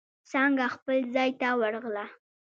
څانگه خپل ځای ته ورغله.